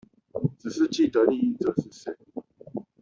只是既得利益者是誰